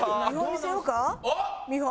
見本。